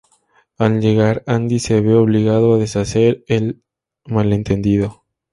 Al llegar, Andy se ve obligado a deshacer el malentendido.